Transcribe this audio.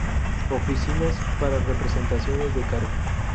Oficinas para representaciones de carga.